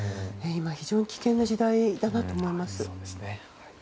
非常に危険な時代だなと思います。